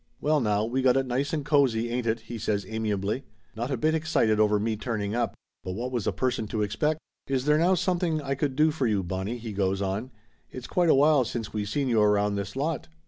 "Well, now, we got it nice and cozy, ain't it?" he says amiably. Not a bit excited over me turning up. But what was a person to expect? "Is there now something I could do for you, Bon nie ?" he goes on. "It's quite a while since we seen you around this lot!"